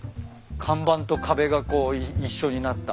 看板と壁がこう一緒になった。